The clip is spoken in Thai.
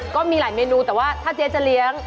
ก็มีหลายเมนูแต่ว่าถ้าเจ๊จะเลี้ยง